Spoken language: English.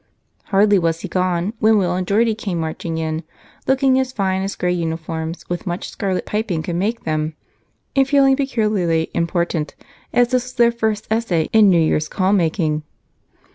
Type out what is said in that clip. Hardly was he gone when Will and Geordie came marching in, looking as fine as gray uniforms with much scarlet piping could make them and feeling peculiarly important, as this was their first essay in New Year's call making.